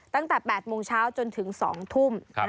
ตั้งแต่๘โมงเช้าจนถึง๒ทุ่ม